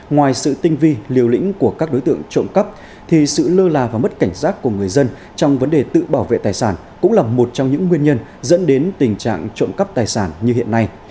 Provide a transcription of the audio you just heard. ngoài sự tinh vi liều lĩnh của các đối tượng trộm cắp thì sự lơ là và mất cảnh giác của người dân trong vấn đề tự bảo vệ tài sản cũng là một trong những nguyên nhân dẫn đến tình trạng trộm cắp tài sản như hiện nay